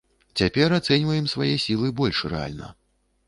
Цяпер ацэньваем свае сілы больш рэальна.